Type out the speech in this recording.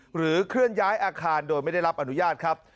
เคลื่อนย้ายอาคารโดยไม่ได้รับอนุญาตครับ